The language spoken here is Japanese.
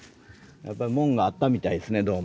やっぱり門があったみたいですねどうも。